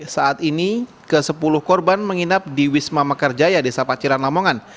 saat ini ke sepuluh korban menginap di wisma mekarjaya desa paciran lamongan